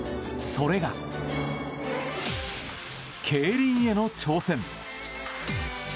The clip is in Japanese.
それが、競輪への挑戦。